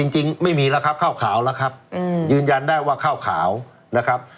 จริงไม่มีแล้วครับข้าวขาวแล้วครับยืนยันได้ว่าข้าวขาวนะครับ